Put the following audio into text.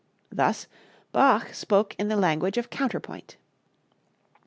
Thus Bach spoke in the language of counterpoint.